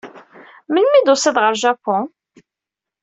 Melmi ay d-tusiḍ ɣer Japun?